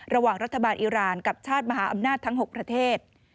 ระหว่างรัฐบาลอิราณกับชาติมหาอำนาจทั้ง๖ประเทศ